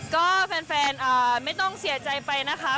ก็แฟนไม่ต้องเสียใจไปนะคะ